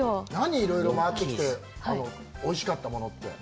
いろいろ回ってきて、おいしかったものって。